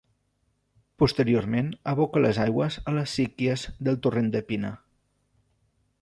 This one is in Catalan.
Posteriorment aboca les aigües a les síquies del torrent de Pina.